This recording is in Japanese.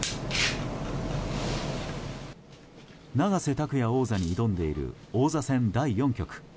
永瀬拓矢王座に挑んでいる王座戦第４局。